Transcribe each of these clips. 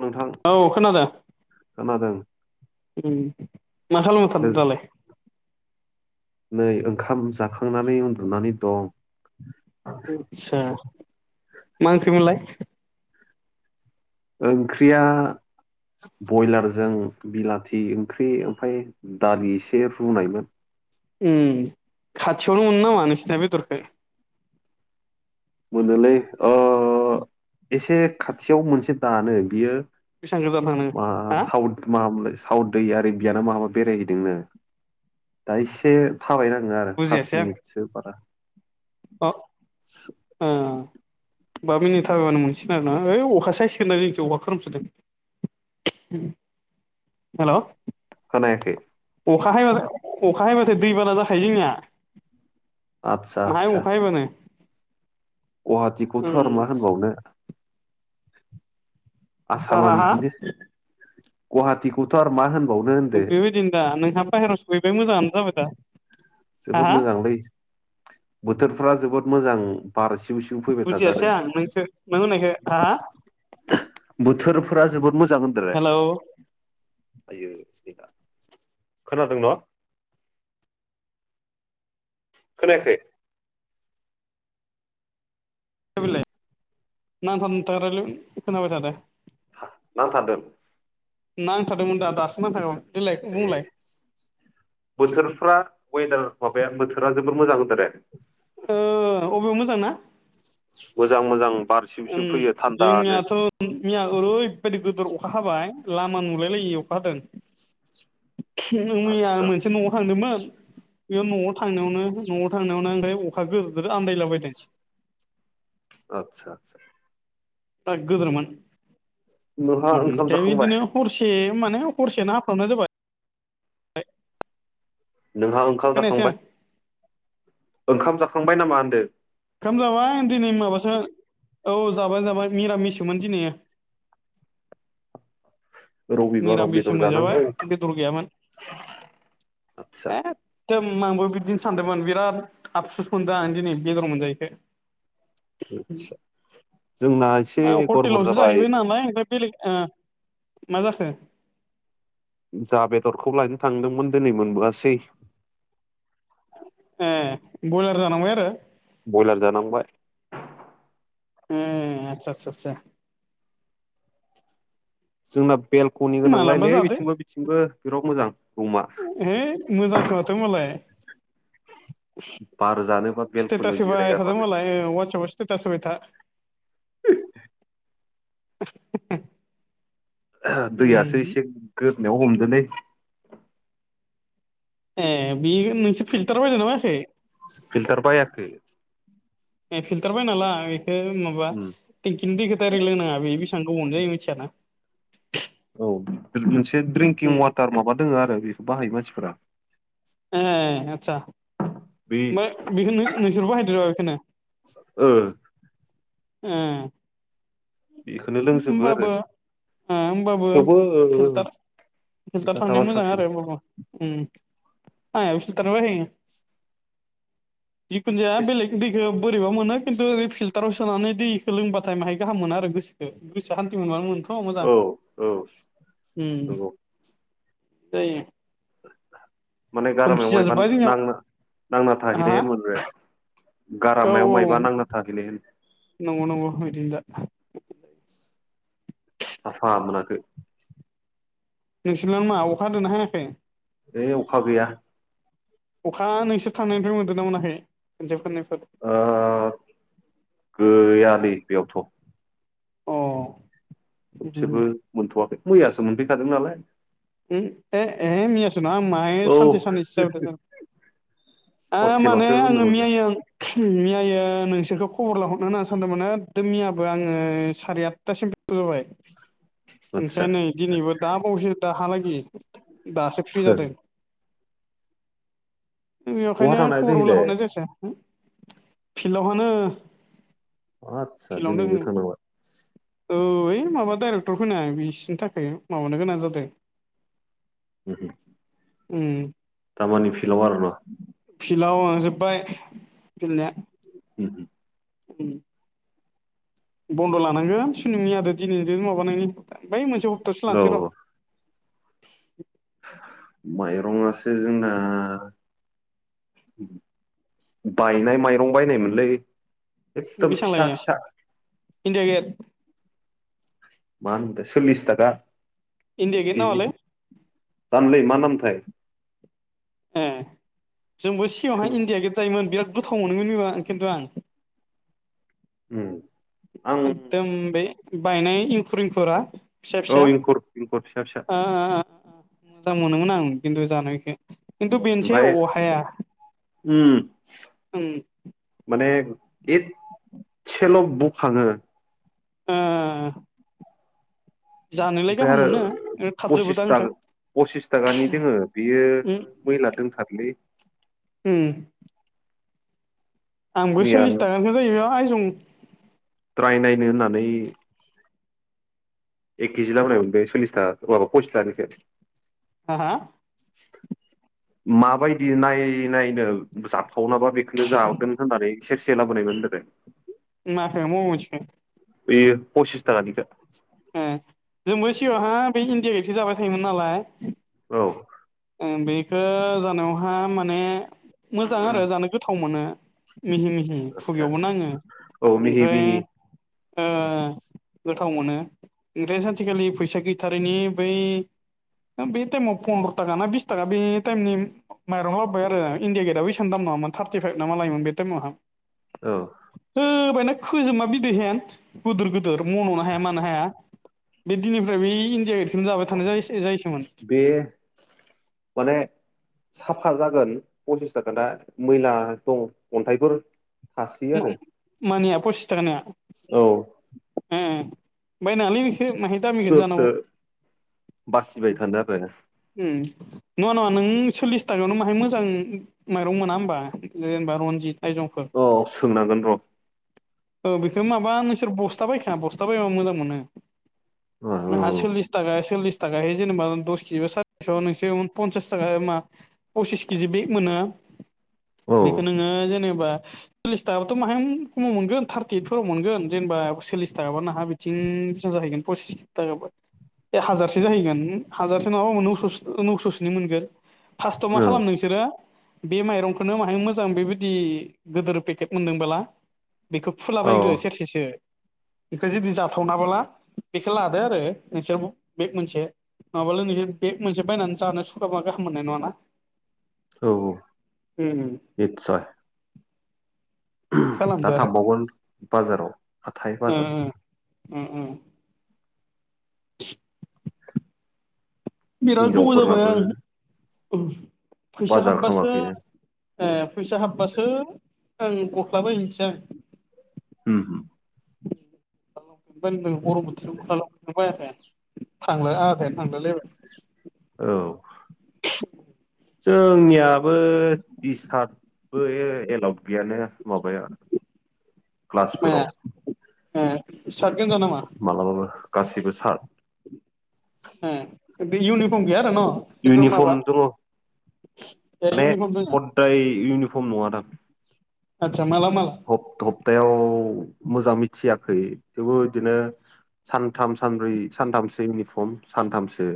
नोंथां औ खोनादों खोनादों [inaudible] उम माखालाम थार गोज- दालाय? नै ओंखाम जाखांनानै उन्दुनानै दं। आस्सा मा ओंख्रिमोनलाय? ओंख्रिया बयलारजों बिलाथि ओंख्रि ओमफ्राय दालि एसे रुनायमोन। खाथियावनो मोनो नामा नोंसिना बेदरखौ? मोनोलै अ एसे खाथियाव मोनसे दानो बियो बेसेबां गोजान थांनाङो मा हा साउथ मामोनलाय साउथ दै आरो बियाना माबा बेरायहैदोंनो दा एसे थाबायनाङो आरो पास बुजियासै आं मिनिटसो बारा अ ओ बा मिनिट थाबायब्लानो मोनसिन आरोना ओइ अखा साइस होनानै जोंथि अखा खोरोमसोदों। हेल' खोनायाखै अखा हाबाथाय अखा हायबाथाय दैबाना जाखायो जोंनिया। आदसा माहाय आदसा अखाय हायोबानो। उम गुवाहाटिखौथ' आरो मा होनबावनो। आसामा आंहाहा बिदिनो गुवाहाटिखौथ' आरो मा होन बेबायदिनो दा नोंहा बाहेराव सुहैबाय मोजाङानो जाबाय दा। जोबोद हाहा मोजांलै बोथोरफ्रा जोबोद मोजां बार सिउ सिउ। फैबाय थाथारो बुजियासै आं नोंस नों होननायखौ हा हा बोथोरफोरा जोबोद मोजां होनदोंरा। हेल' आयोइ स्फिका खोनादों न'? खोनायाखै? बिलाय नांथा नुंथा रायलाय खोनाबाय थादो। नांथादों नांथादोंमोन दा दासिम नांथान ए बोथोरफ्रा वेदार माबाया बोथोरा जोबोर मोजांदों होनदोंरे। हो अबे मोजां ना। मोजां मोजां बारसि ओम सि फैयो थान्दानो। जोंनियाथ' मैया ओरैबायदि गोदोर अखा हाबाय लामा नुलायलायि अखा हादों। मैया आदसा मोनसे न'आव थांदोंमोन। बेयाव न'आव थांनायावनो न'आव थांनायावनो ओमफ्राय अखा गोदोर गोदोर आन्दायलाबायदों। आतसा आतसा दजा गोदोरमोन नोंहा उम ओंखाम फ्राय जाखांबाय बिदिनो हरसे माने हरसे ना हाफ्रामनाय जाबाय। नोंहा ओंखाम खोनायासै आं जाखांबाय? ओंखाम जाखांबाय नामा होनदों? खाम जाबाय दिनै माबासो औ जाबाय जाबाय मिरामिससोमोन दिनैयो। रबिबाराव मिरामिससो बेदर मोनजाबाय जानांगौ बेदर गैयामोन‌। आदसा दोम आंबो बिदिनो सानदोंमोन बिराद आफसुस मोनदों आं दिनै बेदर मोनजायैखाय। आदसा जोंना एसे मायाव गरबर हटेलावसो जाबाय जाहैबाय नालाय ओमफ्राय बेलेग ओ मा जाखो? जा बेदरखौ लायनो थांदोंमोन दिनै मोनबोआसै ए बयलार जानांबाय आरो बयलार जानांबाय ए आतसा आतसा आतसा जोंना बेलक'नि मालाबा गोनांलायलै जादो बिथिंबो बिथिंबो बिराद मोजां रुमा है मोजांसो माथो होमबालाय सि बार जानो बा बेलक'नियाव स्टेटास होबाय थादों जिरायगारबानो मालाय वाटसेपआव स्टेटास होबाय था [unintelligible] [unintelligible] [unintelligible] दैयासो उम एसे गोदनायाव हमदोलै ए बि मोनसे फिल्टार बायदोंना बायाखै फिल्टार बायाखै ए फिल्टार बायना ला एखौ माबा उम टेंक किनि दैखौ दायरेक्ट लोंनाङा बे बेसेबां गोबावनि जायो मिथियाना औ मोनसे उम ड्रिंकिं वाटार माबा दोङो आरो बेखौ बाहायो मानसिफोरा ए आदसा बे ओमफ्राय बेखौ नों-नोंसोरबो बाहायदों नामा बेखौनो ओ ओम बेखौनो लोंजोबो आरो ओमबाबो ओ होमबाबो थेवबो ओ फिल्थार फिल्टार खोथा थांनाया थाबा मोजां साबसिन आरो होमबाबो ओम आंनाबो [unintelligible] जिखुनजाया बेलेख दैखौ बोरैबा मोनो खिन्थु बे फिलटाराव सोनानै दैखौ लोंबाथाय माहाय गाहाम मोनो आरो गोस बे गोसोआ हान्थि मोनबानो मोनथ' मोजां औ औ ओम नंगौ जायो माने खोमसि गारामायाव माइबा जाजोब्बाय जोंनियाव नांना नांना हा थाहैनायानो मोनबाय औ गारामायाव मायबा नांना थाहैनाय होन नंगौ नंगौ इदिनो दा साफा मोनाखै नोंसोरना मा अखा हादोंना हायाखै? ए अखा गैया अखा नोंसोर थांनायनिफ्राय मोन्दों ना मोनाखै खनसे खननैफोर ओ गैया नै बेयावथ' अ उम थोबसेबो मोनथ'वाखै मैयासो मोनफैखादों नालाय ओम ए ए मैयासो [unintelligible] माहाय औ सानसे साननैसो जाबायथ' जों आं माने हटेलावसो उन्दु आङो मोनदों मैयायो मैयायो नोंसोरखौ खबर लाहरनो होनना सानदोंमोन एकदम मैयाबो आङो साराय आटथासिम गोबाबाय आदसा ओमफ्राय नै दिनैबो दा बावैसो दा हालागै दासो फ्रि जादों बहा बेखायनो थांनो नागिरदों खबरबो इलाय लाहरनाय जायासै फिल्डावहानो आतसा दिनैबो थांनांला औ ओइ माबा डाइरेक्टर फैना बिसिनि थाखाय माबानो गोनां जादों ओम ओम ओम दामानि फिल्डआव आरोना फिल्डआव ओ जोब्बाय गेलेनाया ओम ओम ओम बन्द' लानांगोन सुनि [unintelligible] दिनैजों माबानायनि बै मोनसे हप्तायावसो औ लानोसै र'। माइरङासो जोंना बायनाय माइरं बायनायमोनलै। एकदम बेसेबां फिसा लायआ फिसा इंडिया गेट मा होनदों सल्लिस थाखा इण्डिया गेट केजि नामालै दामलै मा नामथाय। एह जोंबो सिगाङावहाय इण्डिया गेट जायोमोन बिराद गोथाव मोनोमोन बेबा खिन्थु आं। ओम आं एकदम बे बायनाय इंखुर इंखुरा फिसा औ फिसा इंखुर इंखुर फिसा फिसा ओ मोजां मोनोमोन आं खिन्थु जानो इखौ खिन्थु बेनोसै ओमफ्राय अहाया उम उम। माने एसेल' बुखाङो। ओ जानोलाय ओमफ्राय गाहाम आरो मोनो थाबजोबो दा पसिसथा ओमफ्राय पसिस थाखानि दोङो बेयो उम मैला दंथारलै। ओम। आंबो मैया सल्लिस थाखाखौ जायो [unintelligible] आइजं। ट्राय नायनो होननानै एक केजि लाबोनायाव मोन बे सल्लिस था माबा [unintelligible] हा-हा माबायदि नायै नायनो जाथावनाबा बेखौनो जागोन होननानै सेरसे लाबोनाय मोन [unintelligible] माखौ मबे मोनसेखौ बेयो पसिस थाखानिखो एह जोंबो सिगाङावहाय बे इण्डिया गेटखौ जाबाय थायोमोन नालाय। औ। ओ बेखौ जानायावहा माने मोजां आरो जानो गोथाव मोनो। मिहि मिहि आदसा खुगायावबो आदसा नाङो औ मिहि ओमफ्राय मिहि ओ [inaudible] गोथाव मोनो ओंफ्राय सानसेखालि फैसा गैथारैनि बै बे टाइमाव पन्द्र' थाखा ना बिस थाखा बे टाइमनि माइरं लाबोबाय आरो इण्डिया गेटआबो एसेबां दाम नङामोन थार्टिफाइभ ना मा लायोमोन बे टाइमावहा औ। होबायना खोजोमा बिदै हेन गोदोर गोदोर मन'नो हाया मानो हाया। बे दिननिफ्राय बेै इण्डिया गेटखौनो जाबाय थानाय जायो [unintelligible] बे माने साफा जागोन फसिस थाखाना मैला दं अन्थाइफोर थासोयो आरो मानिया पसिस थाखानिया औ। उम बायनाङालै नोंसोर माहाय दामिखौनो सोरथो जानांगौ बासिबाय थानो आरो उम नङा नङा नों सललिस [unintelligible] माहाय मोजां माइरं मोना होमबा जेनेबा रनजित आइजंफोर औ सोंनांगोन र'। औ बेखौ माबा नोंसोर बस्था बायखाया बस्था बायबा मोजां मोनो। औ औ नोंहा सल्लिस थाखा सल्लिस थाखै जेनेबा दस केजि सारिस'आव नोंसोर फनसास थाखा मा फसिस केजि बेक मोनो बेखौ औ नोङो जेनेबा सल्लिस थाखाबाथ' माहाय खमाव मोनगोन थार्टि ओइटफोराव मोनगोन जेनेबा सल्लिस थाखाबा नाहा बिथिं बेसा जाहैगोन फसिस थाखाबा ए हाजारसो जाहैगोन हाजारसो नङाबा [unintelligible] नौस'सोनि मोनगोन फार्स्टआव मा खालाम [unintelligible] बिसोरो बे माइरंखौनो माहाय मोजां बेबायदि गोिदिर पेकेट मोनदोंबोला। बेखौ औ फुलाबायग्रो सेरसेसो बेखौ जुदि जाथावनाबोला बेखौ लादो आरो नोंसोर बेग मोनसे नङाबाल लो बेग मोनसे बायनानै जानो सुखाबा गाहाम मोननाय नङा ना औ औ उम उम निस्सय खालामदो द आरो थांबावगोन बाजाराव हाथाय बाजाराव ओम ओम [inaudible] बिराद गोबाव जाबाय हिनजावफोरनाबो आं औ फैसा बाजार हाबबासो खालामाखैनो ए फैसा हाबबासो आं गस्लाबायहैनोसै आं उमहो [unintelligible] मरम बोथोराव गसला लंपेनखोनो थांलाय आधायानो थांलायलायबाय। औ ओ जोंनियाबो टि सार्टबो एलावउड गैयाना माबाया क्लासफोराव ओम सार्ट गोजा नामा? मालाबाबो गासैबो सार उम इउनिफर्म गैय आरो न खेन्थु इउनिफर्म माबा दङ ए इउनिफर्म दोङो ओय इउनिफर्म नङा दां आतसा माला माला हप हप्तायाव मोजां मिथियाखै थेवबो बिदिनो सानथाम सानब्रै सानथामसो इउनिफर्म सानथामसो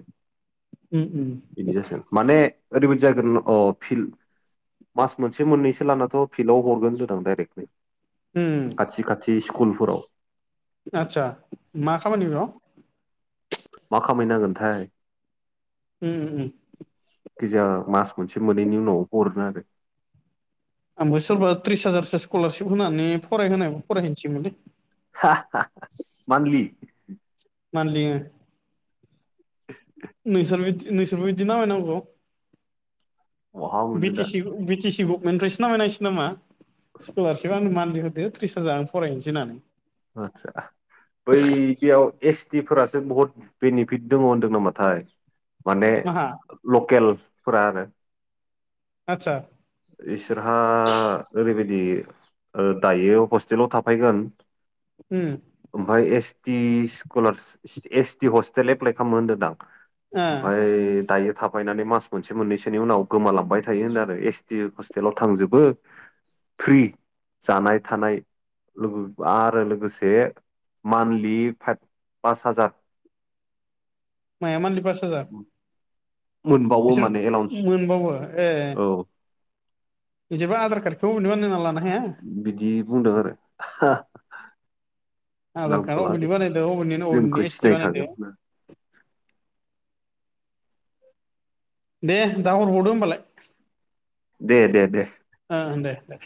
उम उम बिदि जासिगोन माने ओरैबायदि जागोन अ फिल मास मोनसे मोननैसो लानाथ' फिल्डआव हरगोन होनदो दां डाइरेक्ट उम खाथि खाथि स्कुलफोराव आदसा मा खामानि बेयाव? मा खामै नांगोनथाय ओम ओम गिजा मास मोनसे मोननैनि उनाव हरो आरो आंबो सोरबा त्रिस हाजारसो स्कलारशिप होनानै फरायहोनाय फरायहैसैनलै हा हा माथलि मानली [inaudible] नोंसोरदि नोंसोर बादि नामामनांगौ। बहा मोननो बिटि दा सि बिटिसि गबमेन्टनिफ्राय नामायनांसिग नामा स्कलारसिप आं मान्थलि होदो त्रिस हाजार फरायहैनोसै होननानै आतसा बै बेयाव एस टि फोरासो बहुत बेनिफिट दङ होनदों नामाथाय माने माहा लकेलफोरा आरो आतसा इसोरहा ओरैबायदि ओ दायो हस्टेलाव थाफैगोन। उम ओमफ्राय S T scholar S T hostel apply खालामो होनदोंदां। ओ ओमफफ्राय दायो थाफायनानै मास मोनसे मोननैसोनि उनाव गोमालांबाय थायो होन आरो एस बि हस्टेलाव थांजोबो फ्रि जानाय थानाय। लोगो आरो लोगोसे मान्थलि फाइभ पास हाजार माया मानलि पास हाजार? मोनबावो बिसोर माने एलाउन्स मोनबावो ए औ। बिदिबा आधार कार्डखौ नोङो नोंहा होना लाना हाया? बिदि बुंदों आरो [unintelligible] आधार कार्ड नांथ'ला अबेनि दे बानायदो अबेनि अबेनि जोंखौ एस टि बानायदो सिनायखागोन ना। दे दा हराव हरबावदो होनबालाय। दे दे दे। ओं दे दे।